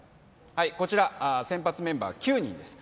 こちら先発メンバー９人です